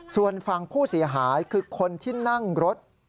ส่วนฝั่งผู้เสียหายคือคนที่นั่งรถ